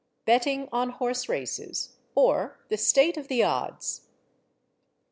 _BETTING ON HORSE RACES: OR, THE STATE OF THE ODDS.